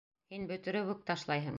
— Һин бөтөрөп үк ташлайһың.